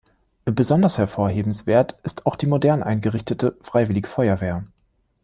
Besonders hervorhebenswert ist auch die modern eingerichtete Freiwillige Feuerwehr.